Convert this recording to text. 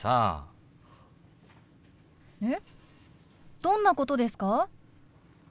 どんなことですか？